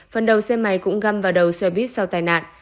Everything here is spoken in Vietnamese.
phần đầu xe máy cũng găm vào đầu xe buýt sau tai nạn